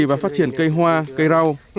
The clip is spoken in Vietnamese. và phát triển cây hoa cây rau